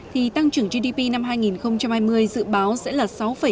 thì tăng trưởng gdp năm hai nghìn hai mươi dự báo sẽ là sáu hai mươi bảy